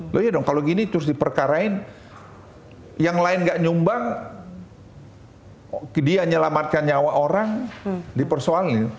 loh iya dong kalau gini terus diperkarain yang lain enggak nyumbang dia nyelamatkan nyawa orang dipersoalin